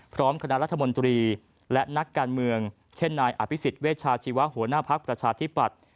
คณะรัฐมนตรีและนักการเมืองเช่นนายอภิษฎเวชาชีวะหัวหน้าภักดิ์ประชาธิปัตย์